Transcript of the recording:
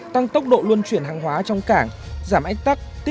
tăng tốc độ luân chuyển hàng hóa trong cảng giảm ánh tắt